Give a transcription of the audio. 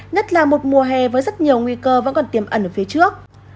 nhất là một mùa hè với rất nhiều nguy cơ vẫn còn tiềm ẩn ở phía trước